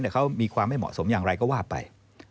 เขามีความไม่เหมาะสมอย่างไรก็ว่าไป